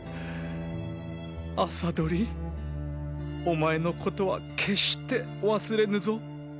麻鳥お前のことは決して忘れぬぞ。